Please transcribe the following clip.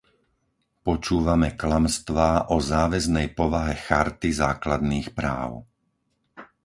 Počúvame klamstvá o záväznej povahe Charty základných práv.